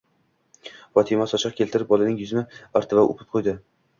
Fotima sochiq keltirib bolaning yuzini artdi va o'pib qo'ydi.